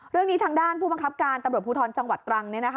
เรื่องนี้ทางด้านผู้บังคับการตำรวจภูทรจังหวัดตรัง